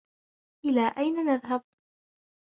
إلى أين نذهب ؟